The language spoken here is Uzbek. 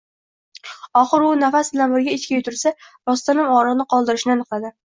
Oxiri u nafas bilan birga ichga yutilsa, rostdanam og‘riqni qoldirishini aniqladi